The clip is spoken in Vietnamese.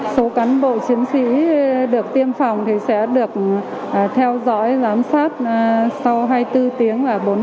số cán bộ chiến sĩ được tiêm phòng thì sẽ được theo dõi giám sát sau hai mươi bốn tiếng và bốn mươi tám tiếng